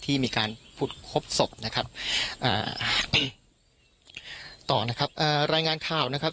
ที่มีการผุดพบศพนะครับต่อนะครับรายงานข่าวนะครับ